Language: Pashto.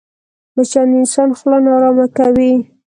مچان د انسان خوله ناارامه کوي